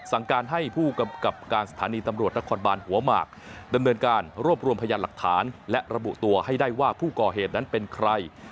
สั่งการให้ผู้กำกับการสถานีตำรวจนครบานหัวหมากดำเนินการรวบรวมพยานหลักฐานและระบุตัวให้ได้ว่าผู้ก่อเหตุนั้นเป็นใคร